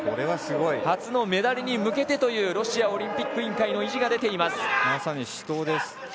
初のメダルに向けてというロシアオリンピック委員会のまさに死闘です。